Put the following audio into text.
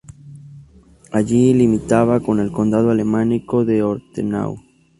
Allí limitaba con el condado alemánico de Ortenau.